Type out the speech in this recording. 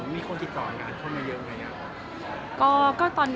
มีคนติดต่อกันงานข้นมาเยอะมั้ย